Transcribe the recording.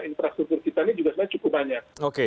infrastruktur kita ini juga sebenarnya cukup banyak